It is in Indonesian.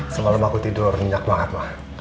semalam aku tidur nanya banget mah